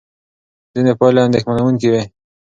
ځینې پایلې اندېښمنوونکې وې.